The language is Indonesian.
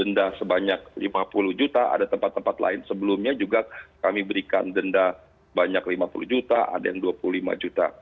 denda sebanyak lima puluh juta ada tempat tempat lain sebelumnya juga kami berikan denda banyak lima puluh juta ada yang dua puluh lima juta